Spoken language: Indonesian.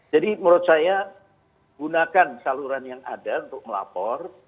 jadi menurut saya gunakan saluran yang ada untuk melapor